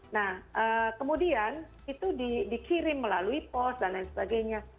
nah kemudian itu dikirim melalui pos dan lain sebagainya